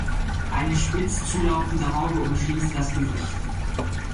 Eine spitz zulaufende Haube umschließt das Gesicht.